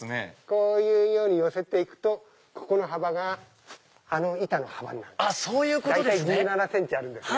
こういうように寄せて行くとここの幅があの板の幅になる大体１７ｃｍあるんです。